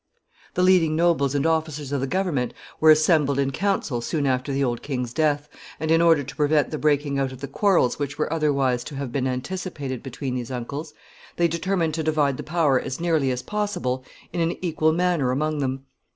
[Sidenote: Division of power.] The leading nobles and officers of the government were assembled in council soon after the old king's death, and in order to prevent the breaking out of the quarrels which were otherwise to have been anticipated between these uncles, they determined to divide the power as nearly as possible in an equal manner among them.